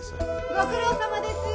ご苦労さまです。